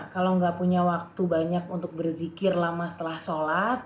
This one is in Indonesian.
kalau nggak punya waktu banyak untuk berzikir lama setelah sholat